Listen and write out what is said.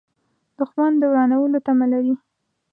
دښمن د ورانولو تمه لري